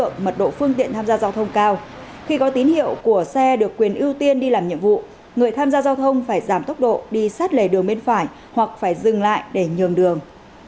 những hiệu của xe được quyền ưu tiên đi làm nhiệm vụ người tham gia giao thông phải giảm tốc độ đi sát lề đường bên phải hoặc phải dừng lại để nhường đường